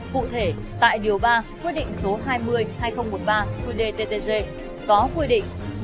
cụ thể tại điều ba quy định số hai mươi hai nghìn một mươi ba qdttg có quy định